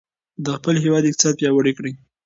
د خپل هېواد اقتصاد پیاوړی کړئ.